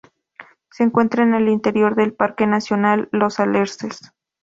Se encuentra en el interior del Parque Nacional Los Alerces.